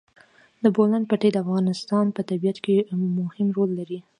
د بولان پټي د افغانستان په طبیعت کې مهم رول لري.